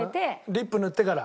リップ塗ってから？